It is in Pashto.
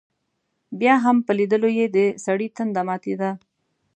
بیا هم په لیدلو یې دسړي تنده ماتېده.